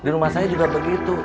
di rumah saya juga begitu